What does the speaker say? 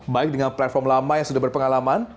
baik dengan platform lama yang sudah berpengalaman